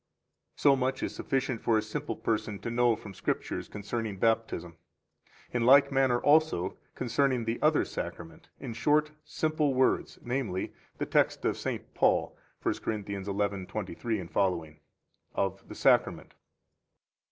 22 So much is sufficient for a simple person to know from the Scriptures concerning Baptism. In like manner, also, concerning the other Sacrament, in short, simple words, namely, the text of St. Paul [1 Cor. 11:23f ]. OF THE SACRAMENT.